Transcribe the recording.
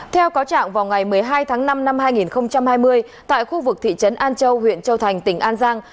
theo cáo trạng vào ngày một mươi hai tháng năm năm hai nghìn hai mươi tại khu vực thị trấn an châu huyện châu thành tỉnh an giang